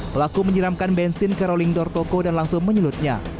pelaku menyeramkan bensin ke rolling door toko dan langsung menyulutnya